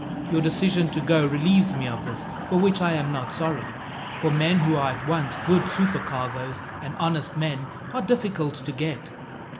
Your decision to go relieves me of this, for which I am not sorry, for men who are at once good supercargos, and honest men, are difficult to get."